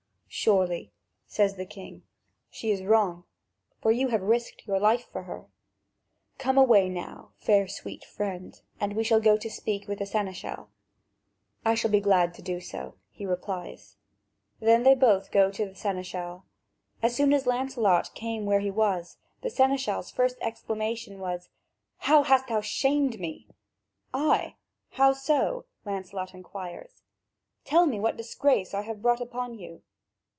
"Surely," says the king, "she is in the wrong, for you have risked your life for her. Come away now, fair sweet friend, and we shall go to speak with the seneschal." "I shall be glad to do so," he replies. Then they both go to the seneschal. As soon as Lancelot came where he was, the seneschal's first exclamation was: "How thou hast shamed me!" "I? How so?" Lancelot inquires; "tell me what disgrace have I brought upon you?"